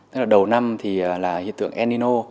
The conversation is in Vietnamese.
tức là đầu năm thì là hiện tượng enino